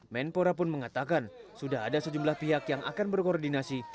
menpora pun mengatakan sudah ada sejumlah pihak yang akan berkoordinasi